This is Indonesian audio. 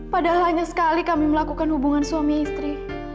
padahal hanya sekali kami melakukan hubungan suami istri